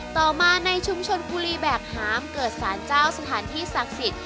ต่อมาในชุมชนกุลีแบกหามเกิดสารเจ้าสถานที่ศักดิ์สิทธิ